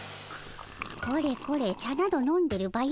これこれ茶など飲んでるバヤ